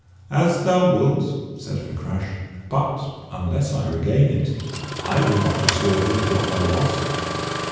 "As thou wilt," said Fakrash; "but unless I regain it, I will not restore thee to what thou wast."